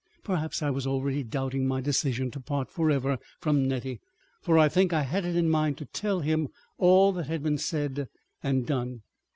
Perhaps I was already doubting my decision to part for ever from Nettie, for I think I had it in mind to tell him all that had been said and done.